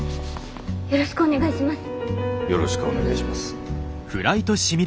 よろしくお願いします。